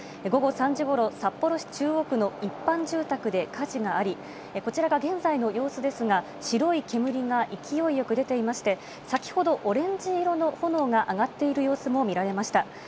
午後３時ごろ、札幌市中央区の一般住宅で火事があり、こちらが現在の様子ですが、白い煙が勢いよく出ていまして、先ほど、オレンジ色の炎が上がっている様子も見られました。